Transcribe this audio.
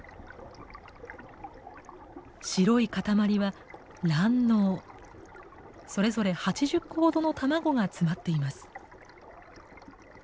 白い塊はそれぞれ８０個ほどの卵が詰まっています。